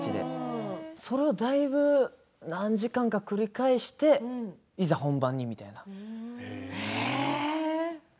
それをだいぶ何時間か繰り返していざ本番みたいな。